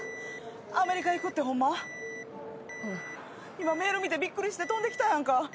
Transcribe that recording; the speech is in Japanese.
今メール見てびっくりして飛んできたやんか。